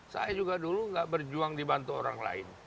saya juga dulu gak berjuang dibantu orang lain